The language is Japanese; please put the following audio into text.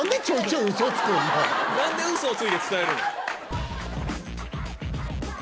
何でウソをついて伝えるんや。